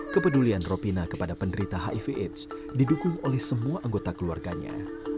kepedulian ropina kepada penderita hiv aids didukung oleh semua anggota keluarganya